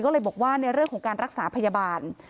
ก็เลยบอกว่าในเรื่องของการรักษาพยาบาล